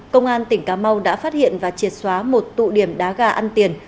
công an tỉnh cà mau đã phát hiện và triệt xóa một tụ điểm đá gà ăn tiền